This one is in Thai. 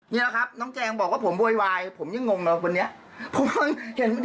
นี่แหละครับน้องแจงบอกว่าผมโวยวายผมยิ่งงงเลยวันนี้